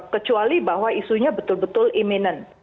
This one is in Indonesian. kecuali bahwa isunya betul betul imminent